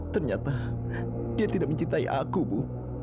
ternyata dia tidak mencintai aku bu